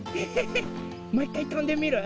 もういっかいとんでみる？